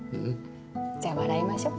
じゃあ笑いましょ。